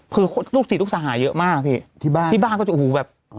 คือลูกศรีลูกสาหารเยอะมากที่บ้านก็จะอู๋แบบ